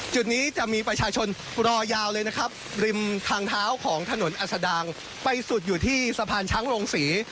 จุดนี้จะมีประชาชนรอยาวเลยนะครับริมทางเท้าของถนนอัศดางไปสุดอยู่ที่สะพานช้างโรงศรี